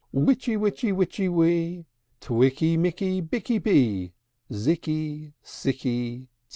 Witchy witchy witchy wee, Twikky mikky bikky bee, Zikky sikky tee!"